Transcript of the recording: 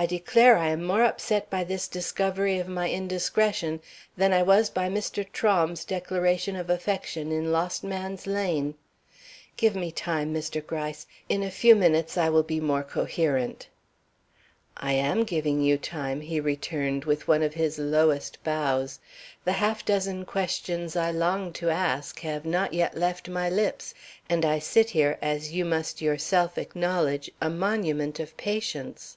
I declare I am more upset by this discovery of my indiscretion than I was by Mr. Trohm's declaration of affection in Lost Man's Lane! Give me time, Mr. Gryce; in a few minutes I will be more coherent." "I am giving you time," he returned with one of his lowest bows. "The half dozen questions I long to ask have not yet left my lips, and I sit here, as you must yourself acknowledge, a monument of patience."